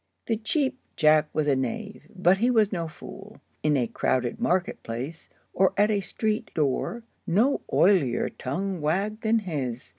The Cheap Jack was a knave, but he was no fool. In a crowded market place, or at a street door, no oilier tongue wagged than his.